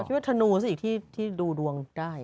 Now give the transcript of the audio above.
พูดถึงว่าธนูสิที่ดูดวงได้